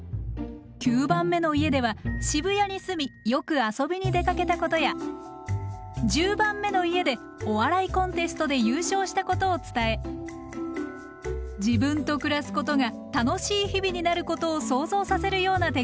９番目の家では渋谷に住みよく遊びに出かけたことや１０番目の家でお笑いコンテストで優勝したことを伝え自分と暮らすことが楽しい日々になることを想像させるような手紙を書いています。